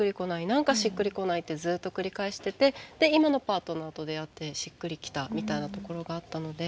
何かしっくりこないってずっと繰り返しててで今のパートナーと出会って「しっくりきた」みたいなところがあったので。